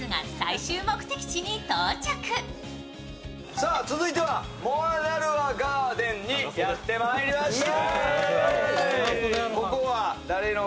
さあ続いてはモアナルア・ガーデンにやってまいりました。